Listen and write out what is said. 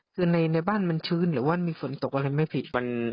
คือในบ้านมันชื้นหรือว่ามีฝนตกอะไรไหมพี่